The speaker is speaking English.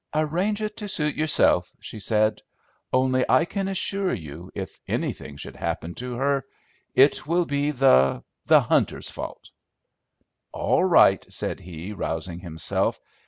"Arrange it to suit yourself," she said. "Only, I can assure you, if anything should happen to her, it will be the the hunter's fault." "All right," said he, rousing himself.